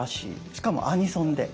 しかもアニソンで。